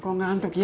kukong ngantuk ya